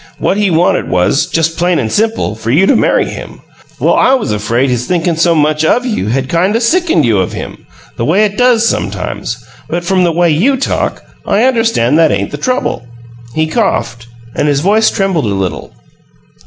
What he wanted was, just plain and simple, for you to marry him. Well, I was afraid his thinkin' so much OF you had kind o' sickened you of him the way it does sometimes. But from the way you talk, I understand that ain't the trouble." He coughed, and his voice trembled a little.